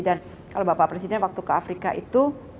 dan kalau bapak presiden waktu ke afrika itu